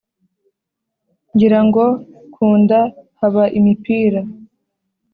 Ngira ngo ku nda haba imipira!